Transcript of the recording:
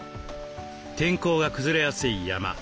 天候が崩れやすい山